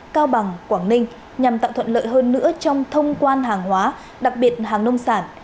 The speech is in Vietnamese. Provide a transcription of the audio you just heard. cao bằng quảng ninh nhằm tạo thuận lợi hơn nữa trong thông quan hàng hóa đặc biệt hàng nông sản